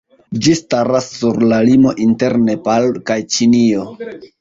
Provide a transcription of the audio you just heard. Ĝi staras sur la limo inter Nepalo kaj Ĉinio.